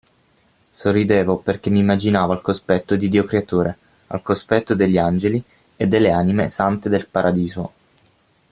Sorridevo perché m'immaginavo al cospetto di Dio Creatore, al cospetto degli Angeli e delle anime sante del Paradiso.